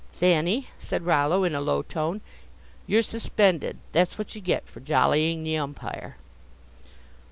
"Thanny," said Rollo, in a low tone, "you're suspended; that's what you get for jollying the umpire."